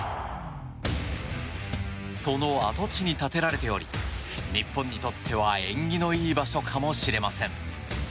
その跡地に建てられており日本にとっては縁起のいい場所かもしれません。